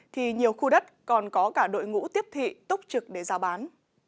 thì nhiều khu đất còn có cả đội ngũ tiếp thị túc trực để giao bán